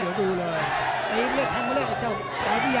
หรือว่าผู้สุดท้ายมีสิงคลอยวิทยาหมูสะพานใหม่